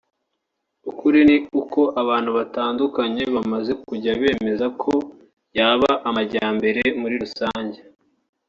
ukuri ni uko abantu batandukanye bamaze kujya bemeza ko yaba amajyambere muri rusange